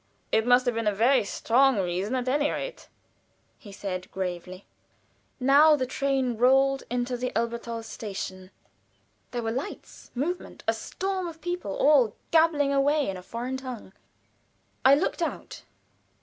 "It must have been a very strong reason, at any rate," he said, gravely. Now the train rolled into the Elberthal station. There were lights, movement, a storm of people all gabbling away in a foreign tongue. I looked out.